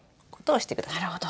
なるほど。